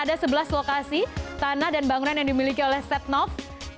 dan ada sebelas lokasi tanah dan bangunan yang dimiliki oleh setnov